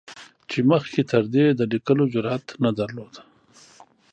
چې مخکې تر دې یې د لیکلو جرعت نه درلود.